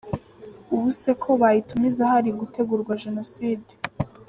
Ubu se ko bayitumiza hari gutegurwa Jenoside?